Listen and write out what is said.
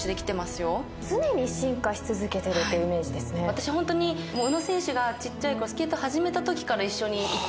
私ホントに宇野選手がちっちゃいころスケート始めたときから一緒にいて。